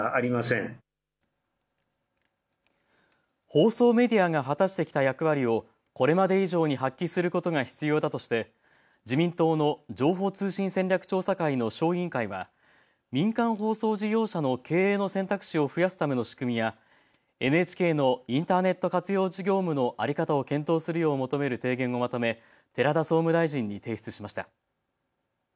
放送メディアが果たしてきた役割をこれまで以上に発揮することが必要だとして自民党の情報通信戦略調査会の小委員会は民間放送事業者の経営の選択肢を増やすための仕組みやＮＨＫのインターネット活用業務の在り方を検討するよう求める提言をまとめ寺田総務大臣に提出しました。